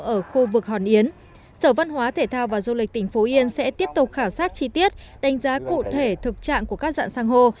ở khu vực hòn yến sở văn hóa thể thao và du lịch tỉnh phú yên sẽ tiếp tục khảo sát chi tiết đánh giá cụ thể thực trạng của các dạng san hô